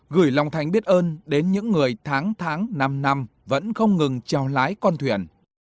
gửi lòng thành biết ơn đến những người tháng tháng năm năm vẫn không ngừng trèo lái con thuyền